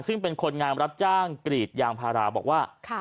ซึ่งเป็นคนงานรับจ้างกรีดยางพาราบอกว่า